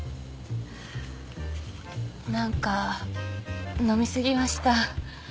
何か飲み過ぎました。